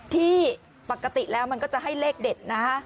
ที่ปกติแล้วมันก็จะให้เลขเด็ดนะฮะ